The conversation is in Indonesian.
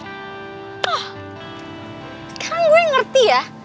sekarang gue ngerti ya